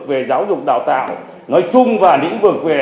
về giáo dục đào tạo